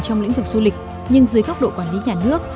trong lĩnh vực du lịch nhưng dưới góc độ quản lý nhà nước